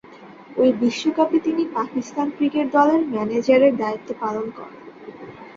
ঐ বিশ্বকাপে তিনি পাকিস্তান ক্রিকেট দলের ম্যানেজারের দায়িত্ব পালন করেন।